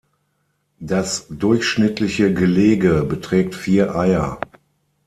Das durchschnittliche Gelege beträgt vier Eier.